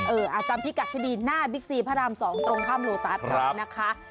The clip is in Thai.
จำพิกัดที่ดีหน้าบิ๊กซีพระราม๒ตรงข้ามโลตัสนะคะ